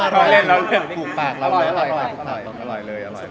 อร่อย